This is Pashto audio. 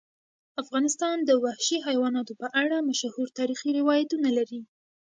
افغانستان د وحشي حیواناتو په اړه مشهور تاریخی روایتونه لري.